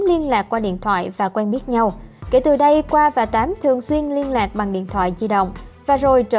y quyết định sẽ đi qua đến khu du lịch sân thái này